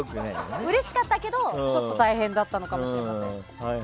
うれしかったけどちょっと大変だったのかもしれません。